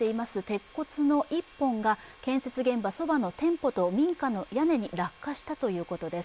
鉄骨の１本が建設現場そばの店舗と民家の屋根に落下したということです。